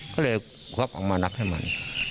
ก็เลยควักออกมานับให้มัน